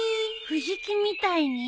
藤木みたいに？